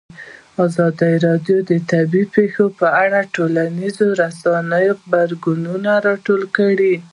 ازادي راډیو د طبیعي پېښې په اړه د ټولنیزو رسنیو غبرګونونه راټول کړي.